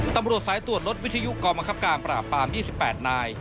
ตำรวจสายตรวจรถวิทยุกรมคับการปราบปราม๒๘นาย